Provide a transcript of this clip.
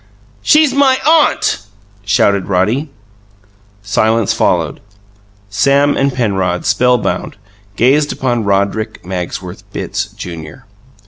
"She's my aunt!" shouted Roddy. Silence followed. Sam and Penrod, spellbound, gazed upon Roderick Magsworth Bitts, Junior.